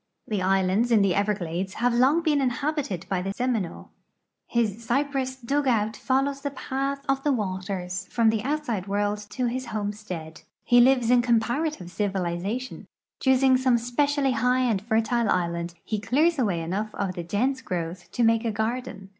The islands in the Everglades have long been inhabited by the Seminole. His cy})ress dug out follows the ])ath of the waters from the outside world to his homestead. He lives in com})ara OF THE UNITED STATES 3f)l tive civilization. Choosing some specially high and fertile island, he clears away enough of the dense growth to make a garden.